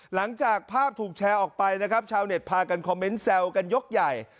หลังจากภาพถูกแชร์ออกไปนะครับชาวเน็ตพากันคอมเมนต์แซวกันยกใหญ่